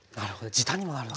時短にもなる。